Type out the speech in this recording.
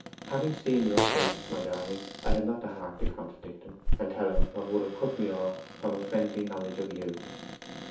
Having seen your face, my darling, I had not heart to contradict him, and tell him what would have cut me off from a friendly knowledge of you.